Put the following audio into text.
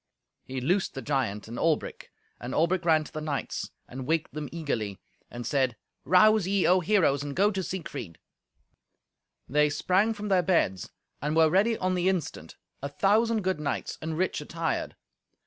He loosed the giant and Albric, and Albric ran to the knights, and waked them eagerly, and said, "Rouse ye, O heroes, and go to Siegfried." They sprang from their beds and were ready on the instant, a thousand good knights and rich attired.